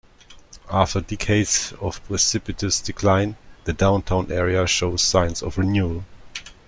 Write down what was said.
After decades of precipitous decline, the downtown area shows signs of renewal.